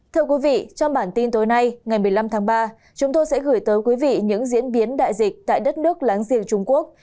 thưa quý vị trong bản tin tối nay ngày một mươi năm tháng ba chúng tôi sẽ gửi tới quý vị những diễn biến đại dịch tại đất nước láng giềng trung quốc